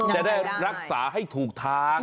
จะได้รักษาให้ถูกทาง